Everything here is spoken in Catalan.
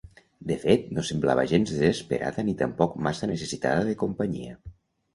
De fet, no semblava gens desesperada ni tampoc massa necessitada de companyia.